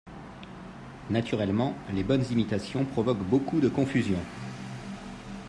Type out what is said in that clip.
Naturellement, les bonnes imitations provoquent beaucoup de confusion.